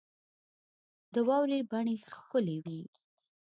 د واورې بڼې ښکلي وې.